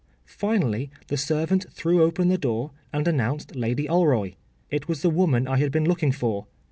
Finally the servant threw open the door, and announced Lady Alroy. It was the woman I had been looking for.